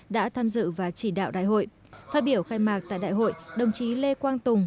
đã tham dự và chỉ đạo đại hội phát biểu khai mạc tại đại hội đồng chí lê quang tùng